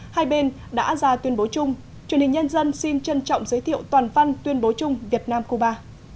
hai bên đã ra tuyên bố chung truyền hình nhân dân xin trân trọng giới thiệu toàn văn tuyên bố chung việt nam cuba